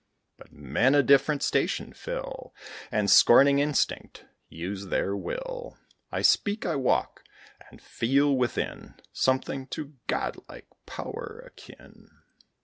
But men a different station fill, And, scorning instinct, use their will. I speak, I walk, and feel within Something to God like power akin.